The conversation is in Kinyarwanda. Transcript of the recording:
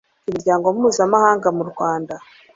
imiryango mpuzamahanga mu rwanda